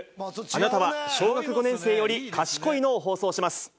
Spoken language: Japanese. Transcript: あなたは小学５年生より賢いの？を放送します。